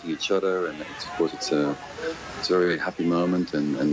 สิ่งที่มีความสำคัญอยู่ขึ้นกัน